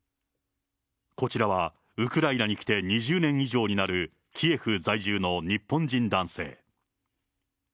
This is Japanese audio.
こちらは、ウクライナに来て２０年以上になる、キエフ在住の日本人男性。